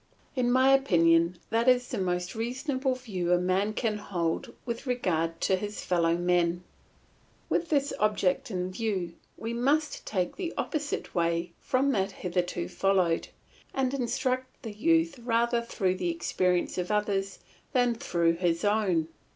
In my opinion that is the most reasonable view a man can hold with regard to his fellow men. With this object in view we must take the opposite way from that hitherto followed, and instruct the youth rather through the experience of others than through his own.